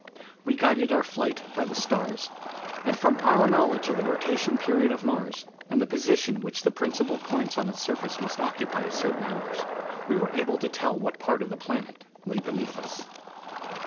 We guided our flight by the stars, and from our knowledge of the rotation period of Mars, and the position which the principal points on its surface must occupy at certain hours, we were able to tell what part of the planet lay beneath us.